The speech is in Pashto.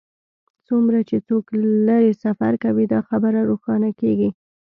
څومره چې څوک لرې سفر کوي دا خبره روښانه کیږي